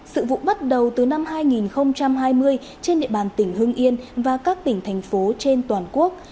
sự vụ bắt đầu từ năm hai nghìn hai mươi trên địa bàn tỉnh hưng yên và các tỉnh thành phố trên toàn quốc